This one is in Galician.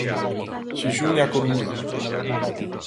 Xixón e A Coruña.